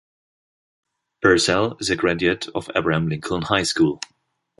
Perzel is a graduate of Abraham Lincoln High School.